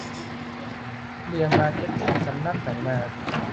เรียนมาร์เก็ตติ้งสำนักไหนมา